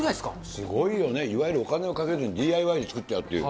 すごいよね、いわゆるお金をかけずＤＩＹで作っちゃうっていう。